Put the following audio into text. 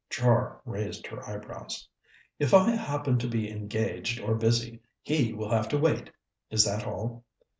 Char raised her eyebrows. "If I happen to be engaged or busy, he will have to wait. Is that all?"